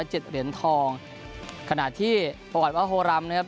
๑๐๗เหรียญทองขณะที่ประกอบว่าโฮลัมนะครับ